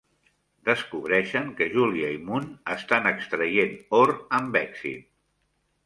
Descobreixen que Julia i Moon estan extraient or amb èxit.